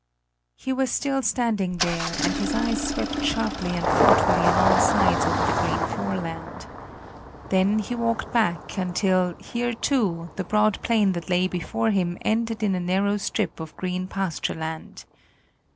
He was still standing there, and his eyes swept sharply and thoughtfully on all sides over the green foreland. Then he walked back until, here too, the broad plain that lay before him ended in a narrow strip of green pastureland.